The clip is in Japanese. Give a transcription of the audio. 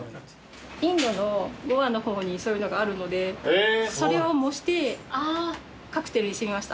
インドのゴアの方にそういうのがあるのでそれを模してカクテルにしてみました。